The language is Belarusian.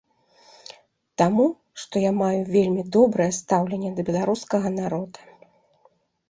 Таму, што я маю вельмі добрае стаўленне да беларускага народа.